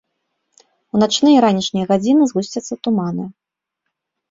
У начныя і ранішнія гадзіны згусцяцца туманы.